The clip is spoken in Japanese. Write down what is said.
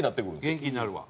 元気になるわ。